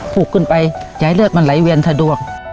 ผูกขึ้นไปอย่าให้เลือดมันไหลเวียนสะดวก